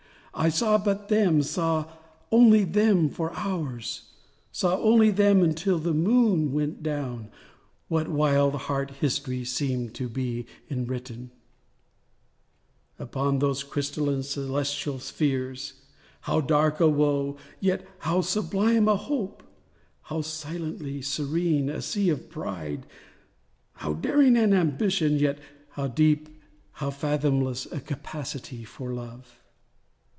I saw but them—saw only them for hours, Saw only them until the moon went down. What wild heart histories seemed to lie enwritten Upon those crystalline, celestial spheres! How dark a woe, yet how sublime a hope! How silently serene a sea of pride! How daring an ambition; yet how deep— How fathomless a capacity for love!